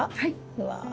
うわ！